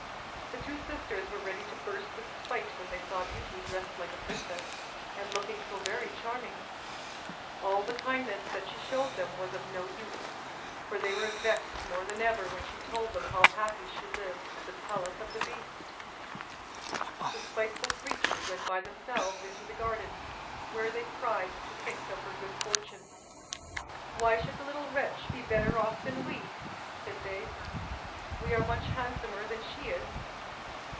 The two sisters were ready to burst with spite when they saw Beauty dressed like a princess, and looking so very charming. All the kindness that she showed them was of no use; for they were vexed more than ever when she told them how happy she lived at the palace of the beast. The spiteful creatures went by themselves into the garden, where they cried to think of her good fortune. "Why should the little wretch be better off than we?" said they. "We are much handsomer than she is."